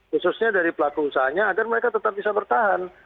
khususnya dari pelaku usahanya agar mereka tetap bisa bertahan